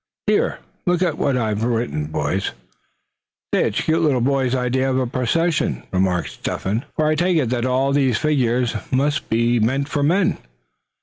Here, look at what I've written, boys." "Say, it's a cute little boy's idea of a procession," remarked Step hen; "for I take it that all these figures must be meant for men."